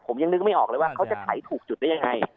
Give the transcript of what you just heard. ผมยังนึกไม่ออกเลยว่าเขาจะไถถูกจุดได้ยังไง